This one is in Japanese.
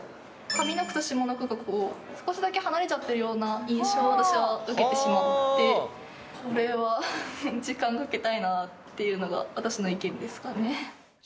上の句と下の句がこう少しだけ離れちゃってるような印象を私は受けてしまってこれはっていうのが私の意見ですかね。